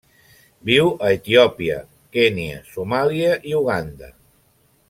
Viu a Etiòpia, Kenya, Somàlia i Uganda.